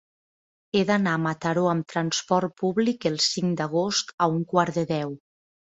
He d'anar a Mataró amb trasport públic el cinc d'agost a un quart de deu.